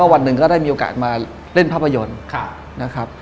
วันหนึ่งก็ได้มีโอกาสมาเล่นภาพยนตร์นะครับ